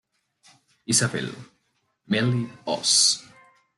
Isabel: Meli Os.